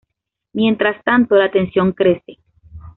Mientras tanto, la tensión crece.